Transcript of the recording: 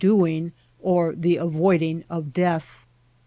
doing or the avoiding of death.